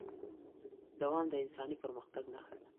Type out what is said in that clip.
دوام د انساني پرمختګ نښه ده.